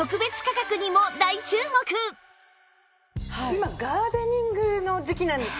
今ガーデニングの時季なんですよ。